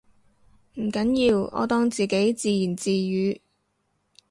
唔緊要，我當自己自言自語